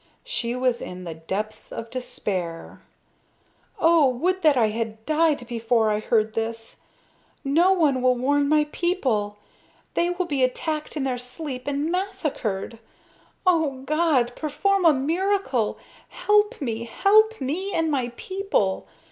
She was in the depths of despair. "Oh, would that I had died before I heard this. No one will warn my people. They will be attacked in their sleep and massacred. O God, perform a miracle, help me, help me and my people.